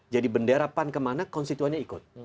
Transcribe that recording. jadi bendera pan kemana konstituennya ikut